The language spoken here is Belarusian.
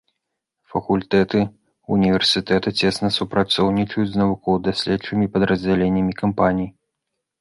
Факультэты універсітэта цесна супрацоўнічаюць з навукова-даследчымі падраздзяленнямі кампаній.